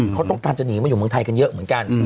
เขาต้องการจะหนีมาอยู่เมืองไทยกันเยอะเหมือนกัน